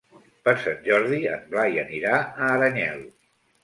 Per Sant Jordi en Blai anirà a Aranyel.